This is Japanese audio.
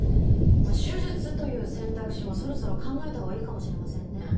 まあ手術という選択肢もそろそろ考えたほうがいいかもしれませんね。